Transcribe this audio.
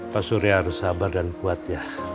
pak surya harus sabar dan kuat ya